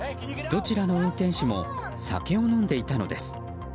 どちらの運転手も酒を飲んでいたのです。